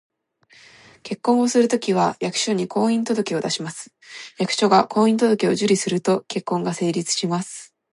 結婚をするときは、役所に「婚姻届」を出します。役所が「婚姻届」を受理すると、結婚が成立します